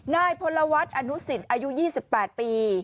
นายพลวัฒน์อนุสิตอายุ๒๘ปี